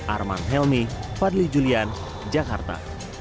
arman helmi fadli julian jakarta